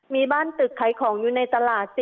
มีบ้านตึกขายของอยู่ในตลาด